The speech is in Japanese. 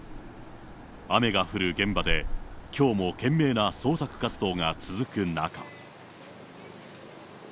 雨が降る現場で、きょうも懸命な捜索活動が続く中。